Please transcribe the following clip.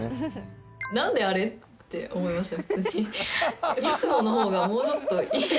何であれ？って思いました